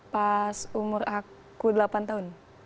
pas umur aku delapan tahun